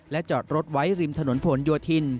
จอดรถไว้ริมถนนผลโยธิน